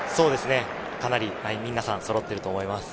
かなり皆さんそろっていると思います。